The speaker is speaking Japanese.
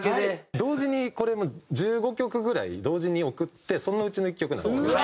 同時にこれも１５曲ぐらい同時に送ってそのうちの１曲なんですね。